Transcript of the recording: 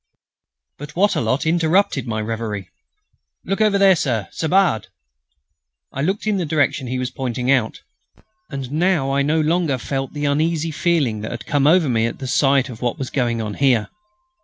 But Wattrelot interrupted my reverie: "Look over there, sir.... Ça barde!" I looked in the direction he was pointing out. And now I no longer felt the uneasy feeling that had come over me at the sight of what was going on here.